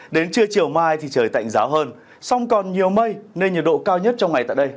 đến trưa chiều mai thì trời tạnh giáo hơn song còn nhiều mây nên nhiệt độ cao nhất trong ngày tại đây